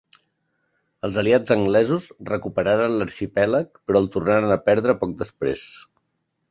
Els aliats anglesos recuperaren l'arxipèlag però el tornaren a perdre poc temps després.